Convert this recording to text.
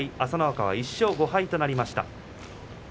朝乃若１勝５敗となりました。